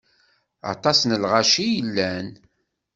Aṭas n lɣaci i yellan.